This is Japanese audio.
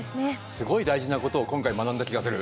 すごい大事なことを今回学んだ気がする。